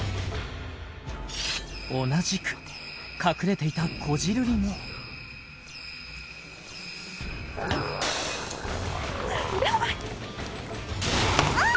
同じく隠れていたこじるりもヤバいああっ！